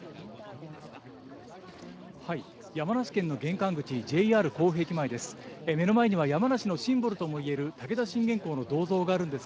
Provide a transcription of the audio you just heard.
山梨県の玄関口、ＪＲ甲府駅前です。